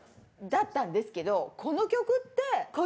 だったんですけどこの曲って。